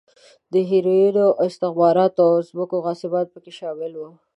د هیروینو، استخباراتو او ځمکو غاصبان په کې شامل و.